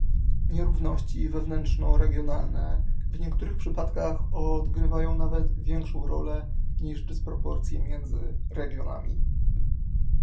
Nierówności wewnątrzregionalne w niektórych przypadkach odgrywają nawet większą rolę niż dysproporcje między regionami